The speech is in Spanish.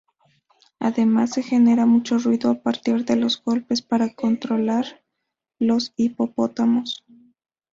Además, se genera mucho ruido a partir de los golpes para controlar los hipopótamos.